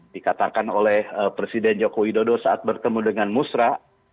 dikatakan oleh presiden joko widodo saat bertemu dengan musrah